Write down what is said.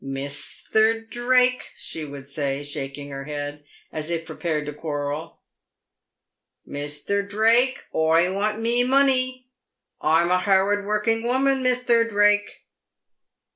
"Misther Drake !" she would say, shaking her head as if prepared to quarrel —" Misther Drake, oi want mee monee. Oi'm a harrud worrucking woman, Misther Drake."